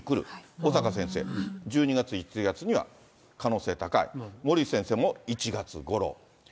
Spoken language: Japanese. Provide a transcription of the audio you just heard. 小坂先生、１２月、１月には可能性高い、森内先生も１月ごろ。